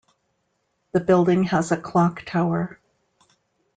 The building has a clock tower.